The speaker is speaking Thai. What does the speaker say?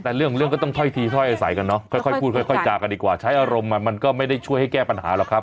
แต่เรื่องเรื่องก็ต้องค่อยทีค่อยใส่กันเนอะค่อยค่อยพูดค่อยค่อยจากกันดีกว่าใช้อารมณ์มันก็ไม่ได้ช่วยให้แก้ปัญหาหรอกครับ